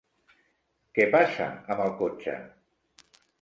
Que passa amb el cotxe?